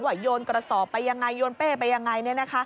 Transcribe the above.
โยนกระสอบไปยังไงโยนเป้ไปยังไง